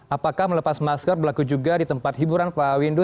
apakah melepas masker berlaku juga di tempat hiburan pak windu